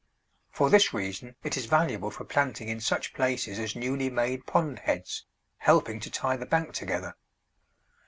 For this reason it is valuable for planting in such places as newly made pond heads, helping to tie the bank together.